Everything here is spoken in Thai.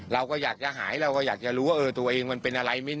เราก็อยากจะหายเราก็อยากจะรู้ว่าตัวเองมันเป็นอะไรมิ้น